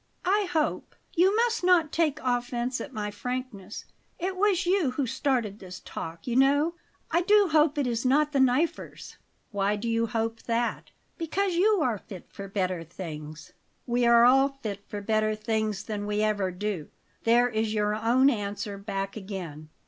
"I hope you must not take offence at my frankness; it was you who started this talk, you know I do hope it is not the 'Knifers.'" "Why do you hope that?" "Because you are fit for better things." "We are all fit for better things than we ever do. There is your own answer back again.